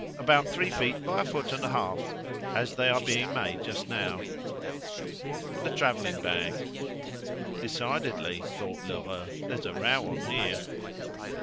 About three feet by a foot and a half, as they are being made just now." "And a travelling bag." "Decidedly," thought Lheureux, "there's a row on here."